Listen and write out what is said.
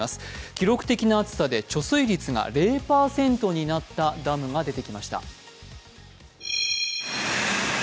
記録的な暑さで貯水率が０％になったダムが出てきました。